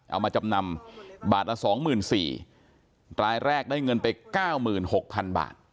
เอามาจำนำบาทละสองหมื่นสี่รายแรกได้เงินไปเก้ามือนหกพันบาท